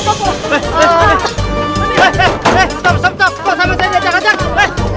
sampai saya diacak acak